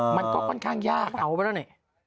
มันก็ค่อนข้างยากเอาไปแล้วนี่